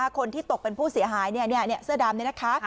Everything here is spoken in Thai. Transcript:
คนที่ตกเป็นผู้เสียหายเสื้อดำนี่นะคะ